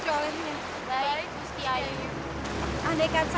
kamu beterpati denganku